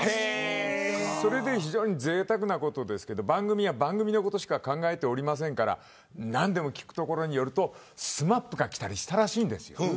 それで非常にぜいたくですが番組のことしか考えていませんでしたから聞くところによるとＳＭＡＰが来たりしていたらしいです。